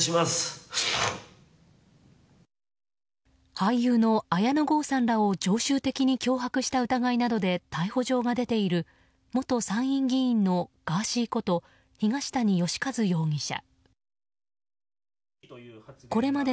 俳優の綾野剛さんらを常習的に脅迫した疑いなどで逮捕状が出ている元参院議員のガーシーこと東谷義和容疑者。